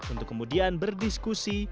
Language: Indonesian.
untuk kemudian berdiskusi